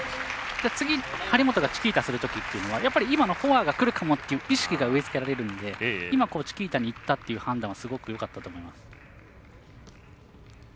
次、張本がチキータするときっていうのはやっぱり今のフォアがくるかもっていう意識が植えつけられるので今チキータにいったという判断はすごくよかったと思います。